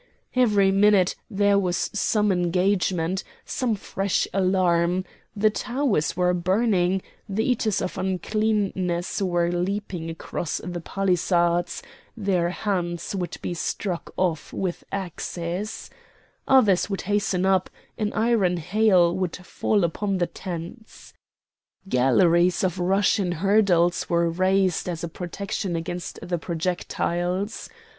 Every minute there was some engagement, some fresh alarm; the towers were burning, the Eaters of Uncleanness were leaping across the palisades; their hands would be struck off with axes; others would hasten up; an iron hail would fall upon the tents. Galleries of rushen hurdles were raised as a protection against the projectiles.